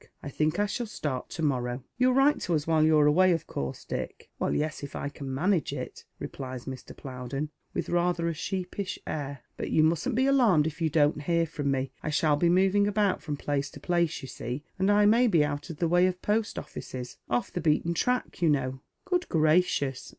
I think I shall start to morrow." " You'll write to us while you're away, of coarse, Dick ?"" Well, yes, if I can manage it," replies Mr. Plowden, with rather a sheepish air ;" but you mustn't be alarmed if you don't hear from me. I shall be moving about from place to place, you see, and I may be out of the way of post oiEces — off the beateu track, you know." "Good gracious!"